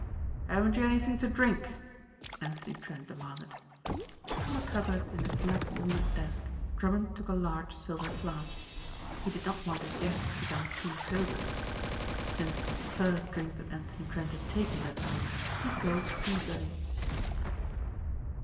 "Haven't you anything to drink?" Anthony Trent demanded. From a cupboard in his black walnut desk Drummond took a large silver flask. He did not want his guest to become too sober. Since it was the first drink that Anthony Trent had taken that night he gulped eagerly.